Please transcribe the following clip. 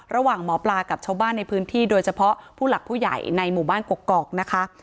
ระหว่างหมอปลากับชาวบ้านในพื้นที่โดยเฉพาะผู้หลักผู้ใหญ่ในหมู่บ้านกกอกนะคะ